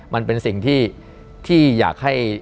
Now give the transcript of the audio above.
มันเป็นสิ่งที่อยากให้